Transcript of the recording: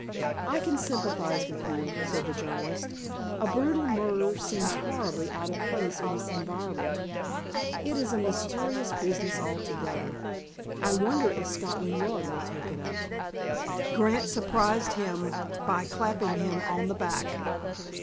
"I can sympathize with you," said the journalist. "A brutal murder seems horribly out of place in this environment. It is a mysterious business altogether. I wonder if Scotland Yard will take it up." Grant surprised him by clapping him on the back.